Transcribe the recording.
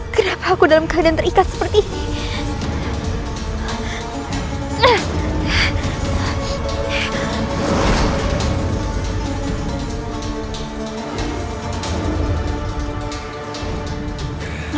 gerak aku dalam keadaan terikat seperti ini